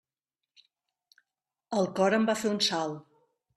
El cor em va fer un salt.